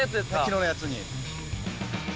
昨日のやつに。